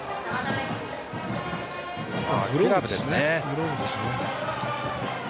グラブですね。